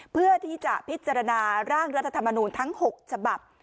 เพื่อที่จะพิจารณาร่างรัฐธรรมนูลทั้ง๖ฉบับ